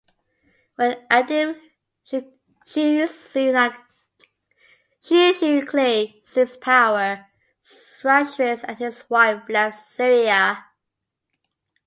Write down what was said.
When Adib Shishakli seized power, Strachwitz and his wife left Syria.